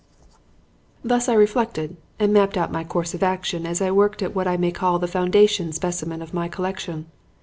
"Thus I reflected and mapped out my course of action as I worked at what I may call the foundation specimen of my collection.